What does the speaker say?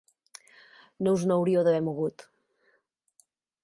No us n'hauríeu d'haver mogut.